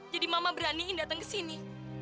jadi mama beraniin datang ke sini